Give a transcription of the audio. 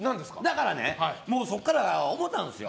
だからねそこから思ったんですよ。